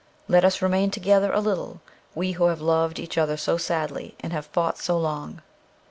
Let us remain together a little, we who have loved each other so sadly, and have fought so long.